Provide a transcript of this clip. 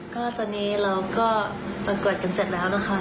ก็ตอนนี้เราก็ประกวดกันเสร็จแล้วนะคะ